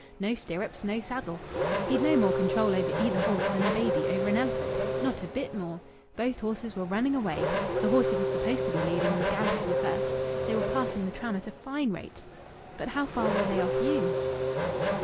No stirrups, no saddle. He'd no more control over either horse than a baby over an elephant. Not a bit more. Both horses were running away. The horse he was supposed to be leading was galloping first. They were passing the tram at a fine rate." "But how far were they off you?"